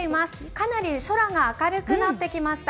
かなり空が明るくなってきました。